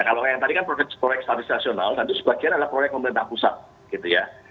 kalau yang tadi kan proyek statis nasional tentu sebagian adalah proyek pemerintah pusat gitu ya